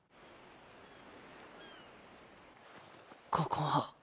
ここは？